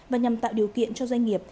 và nhằm tạo điều kiện cho doanh nghiệp